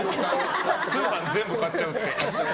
通販、全部買っちゃうって。